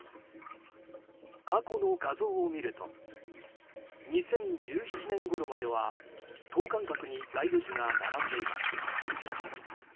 過去の画像を見ると２０１７年ごろまでは等間隔に街路樹が並んでいます。